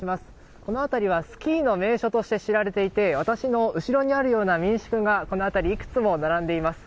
この辺りはスキーの名所として知られていて私の後ろにあるような民宿がこの辺りいくつも並んでいます。